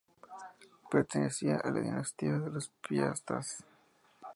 Pertenecía a la dinastía de los Piastas.